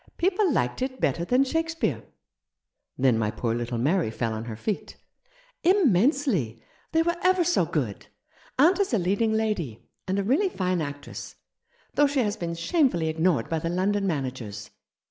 People liked it better than Shake speare." " Then my poor little Mary fell on her feet ?" "Immensely. They were ever so good. Aunt is a leading lady, and a really fine actress, though she has been shamefully ignored by the London managers.